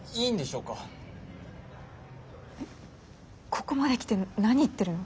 ここまで来て何言ってるの？